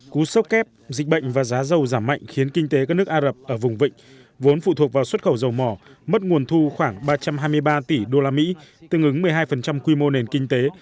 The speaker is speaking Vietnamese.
cú sốc kép dịch bệnh và giá dầu giảm mạnh khiến kinh tế các nước ả rập ở vùng vịnh vốn phụ thuộc vào xuất khẩu dầu mỏ mất nguồn thu khoảng ba trăm hai mươi ba tỷ usd tương ứng một mươi hai quy mô nền kinh tế